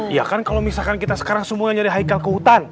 ya kan kalau misalkan kita sekarang semuanya nyari haikal ke hutan